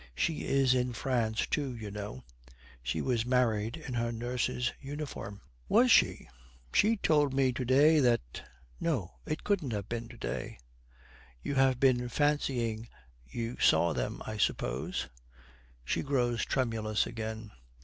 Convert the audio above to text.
She is in France, too, you know. She was married in her nurse's uniform.' 'Was she? She told me to day that no, it couldn't have been to day.' 'You have been fancying you saw them, I suppose.' She grows tremulous again.